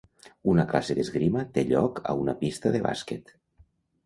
Una classe d'esgrima té lloc a una pista de bàsquet.